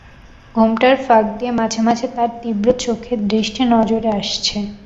ঘোমটার ফাঁক দিয়ে মাঝে-মাঝে তার তীব্র চোখের দৃষ্টি নজরে আসছে।